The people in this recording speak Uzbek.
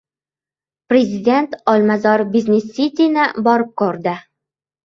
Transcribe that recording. Prezident «Olmazor business city»ni borib ko‘rdi